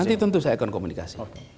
oh nanti tentu saya akan komunikasi